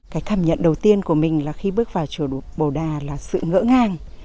cái cảm nhận đầu tiên của mình là khi bước vào chùa bồ đà là sự ngỡ ngàng